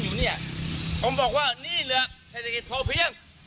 มาดูกันจะได้กินผลไหม